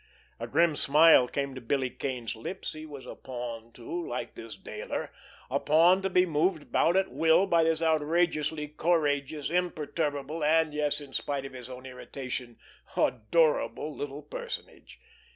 A grim smile came to Billy Kane's lips. He was a pawn too, like this Dayler; a pawn to be moved about at will by this outrageously courageous, imperturbable, and, yes, in spite of his own irritation, adorable little personage.